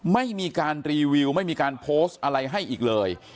ไม่มีการรีวิวไม่มีการโพสต์อะไรให้อีกเลย